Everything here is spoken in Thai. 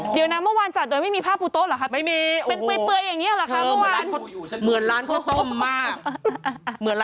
เดี๋ยวใจเย็น